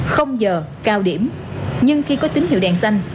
không giờ cao điểm nhưng khi có tín hiệu đèn xanh